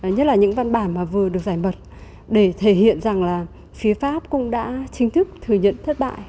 nhất là những văn bản mà vừa được giải mật để thể hiện rằng là phía pháp cũng đã chính thức thừa nhận thất bại